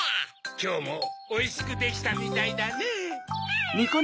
きょうもおいしくできたみたいだねぇ・アンアン！